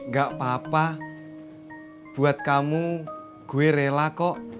gak apa apa buat kamu gue rela kok